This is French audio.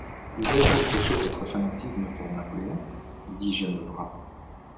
Vous ai-je reproché votre fanatisme pour Napoléon? dit Ginevra.